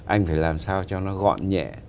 anh phải làm sao cho nó gọn nhẹ